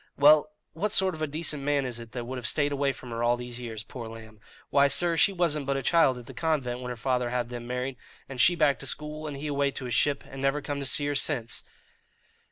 "Well, what sort of a decent man is it that would have stayed away from her all these years, poor lamb? Why, sir, she wasn't but a child at the convent when her father had them married, and she back to school, and he away to his ship, and never come to see her since."